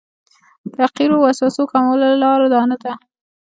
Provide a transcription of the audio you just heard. د حقیرو وسوسو کمولو لاره دا نه ده.